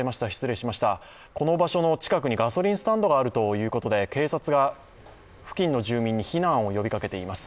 この場所の近くにガソリンスタンドがあるということで警察が付近の住民に避難を呼びかけています。